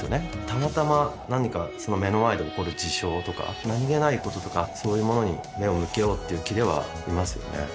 たまたま何か目の前で起こる事象とか何気ないこととかそういうものに目を向けようっていう気ではいますよね